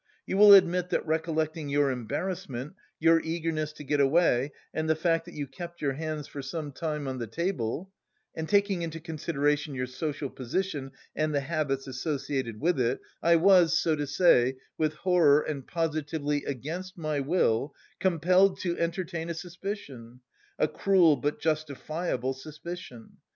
You will admit that recollecting your embarrassment, your eagerness to get away and the fact that you kept your hands for some time on the table, and taking into consideration your social position and the habits associated with it, I was, so to say, with horror and positively against my will, compelled to entertain a suspicion a cruel, but justifiable suspicion!